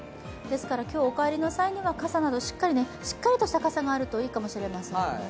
ですから今日、お帰りの際にはしっかりとした傘があるといいもかしれませんね。